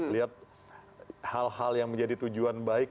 lihat hal hal yang menjadi tujuan baik